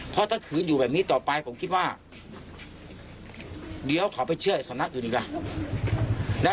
เพราะถ้าขืนอยู่แบบนี้ต่อไปผมคิดว่าเดี๋ยวเขาไปเชื่อสำนักอื่นอีกล่ะ